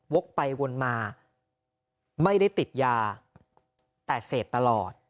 ไปวนมาไม่ได้ติดยาแต่เสพตลอด